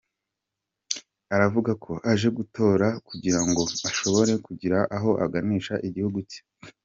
Aravuga ko aje gutora kugira ngo ashobore kugira aho aganisha igihugu cye.